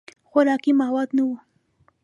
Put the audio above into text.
خوراکي مواد نه وو.